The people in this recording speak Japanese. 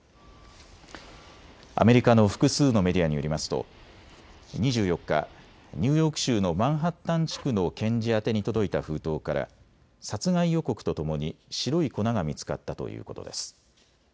アメリカの複数のメディアによりますと２４日、ニューヨーク州のマンハッタン地区の検事宛に届いた封筒から殺害予告とともに白い粉が見つかったということです。